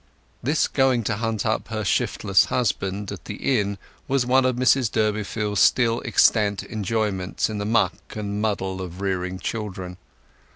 This going to hunt up her shiftless husband at the inn was one of Mrs Durbeyfield's still extant enjoyments in the muck and muddle of rearing children.